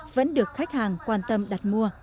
vẫn được khách hàng quan tâm đặt mua